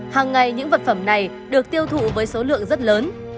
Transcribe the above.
hàng ngày những vật phẩm này được tiêu thụ với số lượng rất lớn